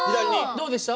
どうでした？